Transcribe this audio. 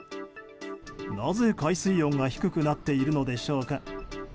なぜ海水温が低くなっているのでしょうか。